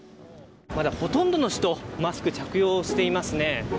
まだほとんどの人、マスク着用していますね。